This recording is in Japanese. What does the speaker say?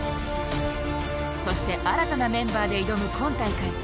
そして、新たなメンバーで挑む今大会。